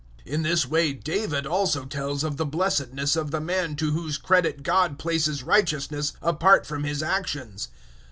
004:006 In this way David also tells of the blessedness of the man to whose credit God places righteousness, apart from his actions.